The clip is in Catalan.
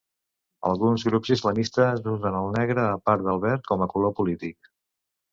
Alguns grups islamistes usen el negre, a part del verd, com a color polític.